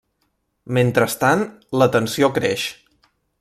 Mentrestant, la tensió creix.